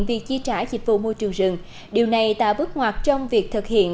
việc chi trả dịch vụ môi trường rừng điều này tạo bước ngoặt trong việc thực hiện